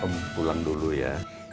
om pulang dulu ya